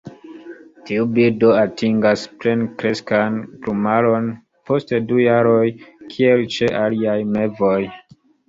Tiu birdo atingas plenkreskan plumaron post du jaroj kiel ĉe aliaj mevoj.